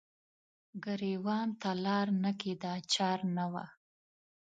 ګریوان ته لار نه کیده چار نه وه